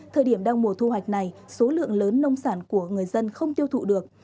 thời điểm đang mùa thu hoạch này số lượng lớn nông sản của người dân không tiêu thụ được